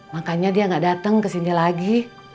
makanya dia gak dateng kesini lagi